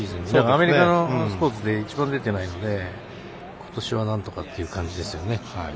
アメリカのスポーツで一番出ていないのでことしはなんとかっていう感じですよね。